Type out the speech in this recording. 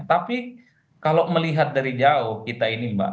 tapi kalau melihat dari jauh kita ini mbak